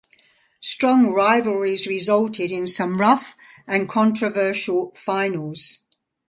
Strong rivalries resulted in some rough and controversial finals.